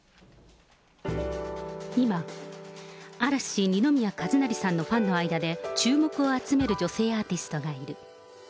今、嵐・二宮和也さんのファンの間で、注目集める女性アーティストがいる。